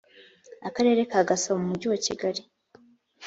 akarere ka gasabo mu mujyi wa kigali